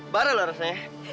bareng loh rasanya